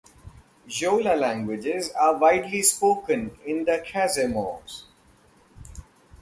Jola languages are widely spoken in the Casamance.